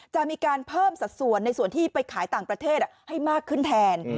จะมีการเพิ่มสัดส่วนในส่วนที่ไปขายต่างประเทศให้มากขึ้นแทน